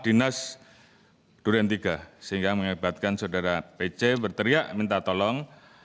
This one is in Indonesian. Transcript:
dinas duren tiga sehingga mengabatkan saudara pc berteriak minta tolong